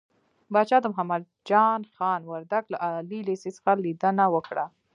پاچا د محمد جان خان وردک له عالي لېسې څخه ليدنه وکړه .